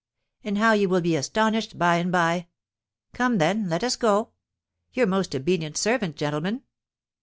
Ah, how you will be astonished by and by! Come, then, let us go. Your most obedient servant, gentlemen!"